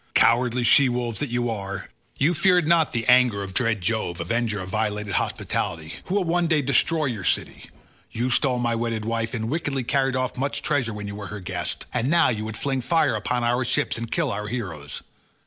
Cowardly she wolves that you are, you feared not the anger of dread Jove, avenger of violated hospitality, who will one day destroy your city; you stole my wedded wife and wickedly carried off much treasure when you were her guest, and now you would fling fire upon our ships, and kill our heroes.